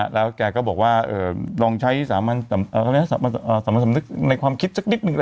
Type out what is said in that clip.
แล้วแกก็บอกว่าลองใช้สามัญสำนึกในความคิดสักนิดนึง